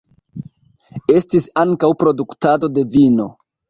Estis ankaŭ produktado de vino.